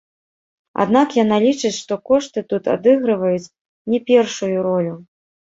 Аднак яна лічыць, што кошты тут адыгрываюць не першую ролю.